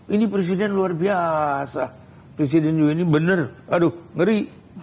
ini presiden luar biasa presiden ini benar aduh ngeri